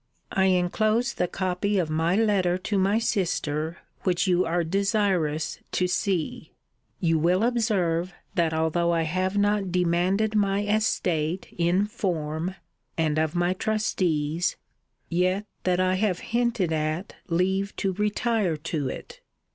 I enclose the copy of my letter to my sister, which you are desirous to see. You will observe, that although I have not demanded my estate in form, and of my trustees, yet that I have hinted at leave to retire to it.